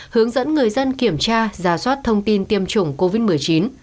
hướng dẫn người dân kiểm tra giả soát thông tin tiêm chủng covid một mươi chín